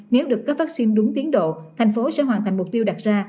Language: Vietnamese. nếu được cấp vaccine đúng tiến độ thành phố sẽ hoàn thành mục tiêu đặt ra